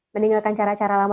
meninggalkan cara cara lama